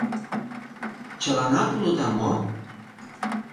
Чыланат улыда мо?